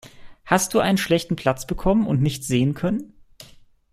Hast du einen schlechten Platz bekommen und nichts sehen können?